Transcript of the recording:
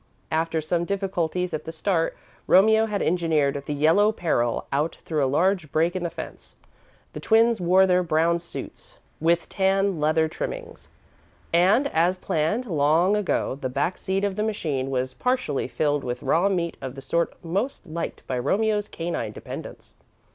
After some difficulties at the start, Romeo had engineered "The Yellow Peril" out through a large break in the fence. The twins wore their brown suits with tan leather trimmings, and, as planned long ago, the back seat of the machine was partially filled with raw meat of the sort most liked by Romeo's canine dependents.